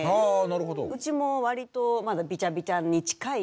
うちも割とまだビチャビチャに近い。